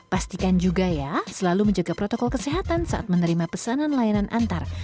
pastikan juga ya selalu menjaga protokol kesehatan saat menerima pesanan layanan antar